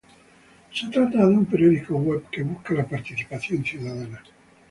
Se trata de un periódico web que busca la participación ciudadana.